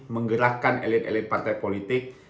menggerakkan elit elit partai politik